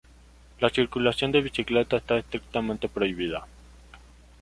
La circulación de bicicletas está estrictamente prohibida.